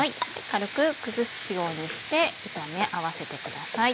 軽く崩すようにして炒め合わせてください。